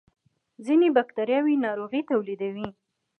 ځینې بکتریاوې ناروغۍ تولیدوي